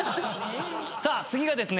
さあ次がですね